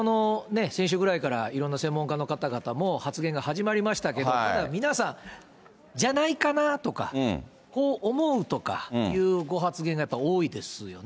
先週くらいから、いろんな専門家の方々も発言が始まりましたけど、ただ皆さん、じゃないかなぁとか、こう思うとかいうご発言がやっぱり多いですよね。